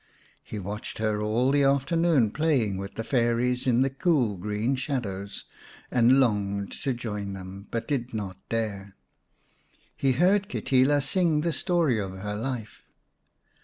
He watched her all the afternoon playing with the Fairies in the cool green shadows, and longed to join them, but did not dare. He heard Kitila sing the story of her life.